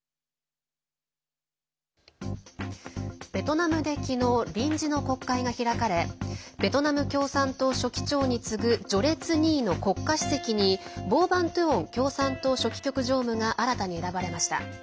ベトナムで昨日臨時の国会が開かれベトナム共産党書記長に次ぐ序列２位の国家主席にボー・バン・トゥオン共産党書記局常務が新たに選ばれました。